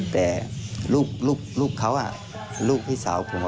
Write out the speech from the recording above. แต่ลูกเขาลูกพี่สาวผม